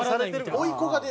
「おいこが」で。